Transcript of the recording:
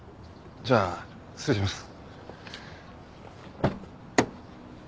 じゃ失礼します。